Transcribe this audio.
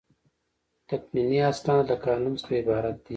تقنیني اسناد له قانون څخه عبارت دي.